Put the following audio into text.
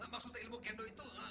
maksudnya ilmu kendo itu